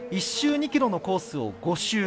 １周２ｋｍのコースを５周。